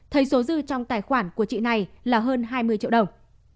thấy số dư trong tài khoản của chị này là hơn hai mươi triệu đồng